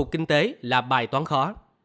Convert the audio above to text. kinh tế là bài toán khó